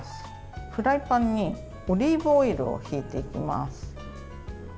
フライパンにオリーブオイルをひいていきます。